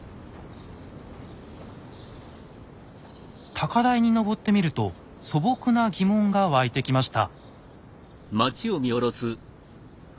高台に登ってみると素朴な疑問が湧いてきました。